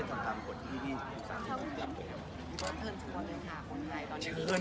สวัสดีทุกคน